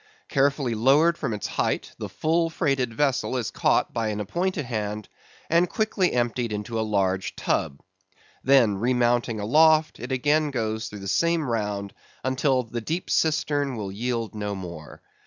Carefully lowered from its height, the full freighted vessel is caught by an appointed hand, and quickly emptied into a large tub. Then remounting aloft, it again goes through the same round until the deep cistern will yield no more.